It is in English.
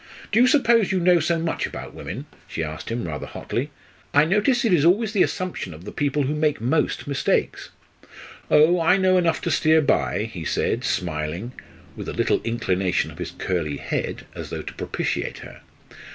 "Do you suppose you know so much about women?" she asked him, rather hotly. "I notice it is always the assumption of the people who make most mistakes." "Oh! I know enough to steer by!" he said, smiling, with a little inclination of his curly head, as though to propitiate her.